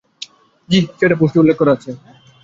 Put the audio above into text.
জ্বি, সেটা পোস্টে উল্লেখ করা আছে।